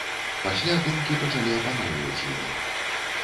Пасля думкі пачалі апаноўваць яе.